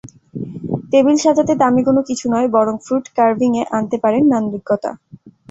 Table সাজাতে দামি কোনো কিছু নয়, বরং ফ্রুট কার্ভিংয়ে আনতে পারেন নান্দনিকতা।